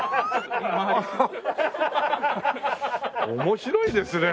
面白いですね。